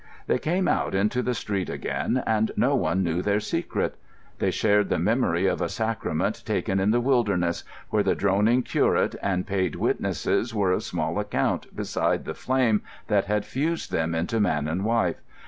They came out into the street again, and no one knew their secret. They shared the memory of a sacrament taken in the wilderness, where the droning curate and paid witnesses were of small account beside the flame that had fused them into man and wife....